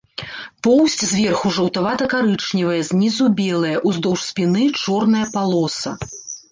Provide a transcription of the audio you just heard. Поўсць зверху жаўтавата-карычневая, знізу белая, уздоўж спіны чорная палоса.